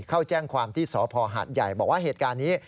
เข้าแจ้งความที่สพหาดใหญ่บอกว่าเหตุการณ์นี้